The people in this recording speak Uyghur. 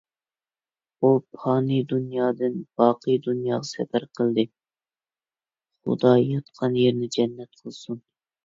ئۇ پانىي دۇنيادىن باقىي دۇنياغا سەپەر قىلدى. خۇدا ياتقان يېرىنى جەننەت قىلسۇن.